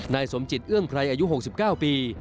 สมจิตเอื้องไพรอายุ๖๙ปี